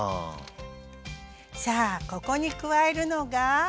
さあここに加えるのが。